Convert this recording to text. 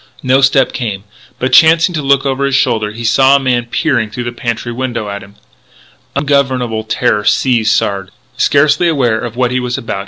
No step came. But, chancing to look over his shoulder, he saw a man peering through the pantry window at him. Ungovernable terror seized Sard.